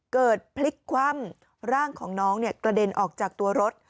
เกิดพลิกคว่ำร่างของน้องกระเด็นออกจากตัวรถ